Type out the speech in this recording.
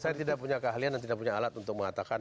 saya tidak punya keahlian dan tidak punya alat untuk mengatakan